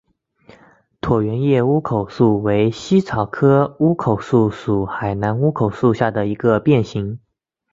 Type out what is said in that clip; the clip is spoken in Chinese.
椭圆叶乌口树为茜草科乌口树属海南乌口树下的一个变型。